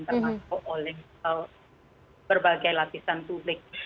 termasuk oleh berbagai lapisan publik